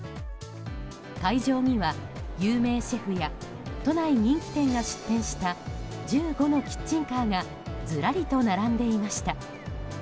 会場には有名シェフや都内人気店が出店した１５のキッチンカーがずらりと並んでいました。